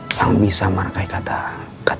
saya bukan orang yang bisa merangkai kata kata